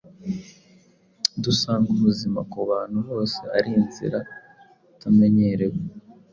dusanga ubuzima ku bantu bose ari inzira itamenyerewe.